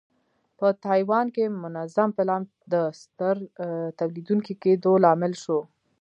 په تایوان کې منظم پلان د ستر تولیدوونکي کېدو لامل شو.